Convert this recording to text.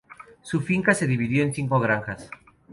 La finca se dividió en cinco granjas.